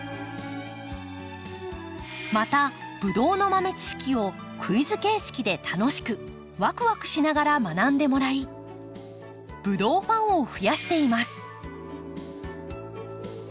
またブドウの豆知識をクイズ形式で楽しくわくわくしながら学んでもらいブドウファンを増やしています。